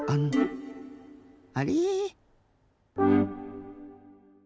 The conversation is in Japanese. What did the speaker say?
あれ？